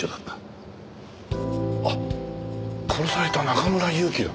あっ殺された中村祐樹だ。